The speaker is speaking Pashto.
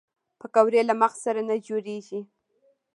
پکورې له مغز سره نه جوړېږي